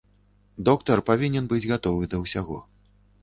Доктар павінен быць гатовы да ўсяго.